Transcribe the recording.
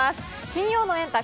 金曜のエンタ！